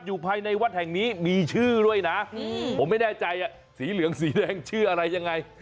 อยู่ในวัดแห่งนี้มีชื่อด้วยนะผมไม่แน่ใจสีเหลืองสีแดงชื่ออะไรยังไง